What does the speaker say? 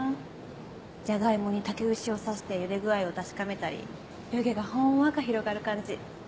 ジャガイモに竹串を刺してゆで具合を確かめたり湯気がほんわか広がる感じ。